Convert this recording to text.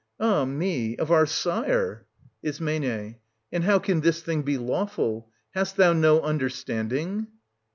Ah me ! of our sire. Is. And how can this thing be lawful ? Hast thou no understanding